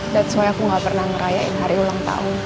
that's why aku gak pernah ngerayain hari ulang tahun